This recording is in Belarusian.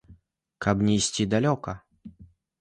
Каб і не ісці далёка?